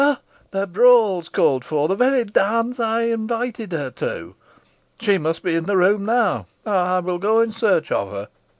Ha! the brawl is called for the very dance I invited her to. She must be in the room now. I will go in search of her.